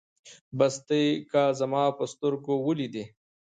بس ته يې که زما په سترګو وليدې